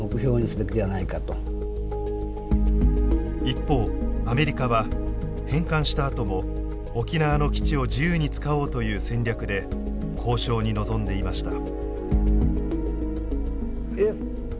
一方アメリカは返還したあとも沖縄の基地を自由に使おうという戦略で交渉に臨んでいました。